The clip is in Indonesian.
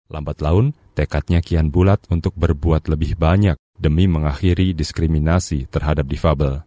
lambat laun tekadnya kian bulat untuk berbuat lebih banyak demi mengakhiri diskriminasi terhadap difabel